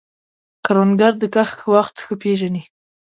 کروندګر د کښت وخت ښه پېژني